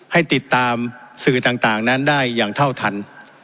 ให้ติดตามสื่อต่างนั้นได้อย่างเท่าทัน